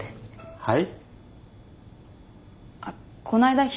はい。